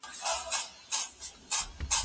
هغه د څېړنیزې مقالي بېلابېلې برخې ګوري.